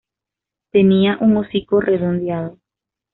Tenía un hocico redondeado.